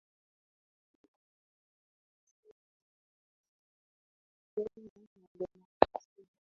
naona ili kusudi nchi ziweze kwenda na demokrasia